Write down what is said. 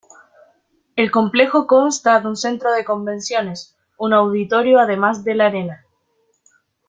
El complejo consta de un centro de convenciones, un auditorio además de la arena.